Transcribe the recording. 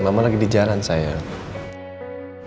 mama lagi di jalan sayang